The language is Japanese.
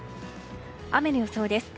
雨の予想です。